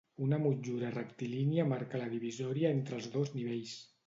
Una motllura rectilínia marca la divisòria entre els dos nivells.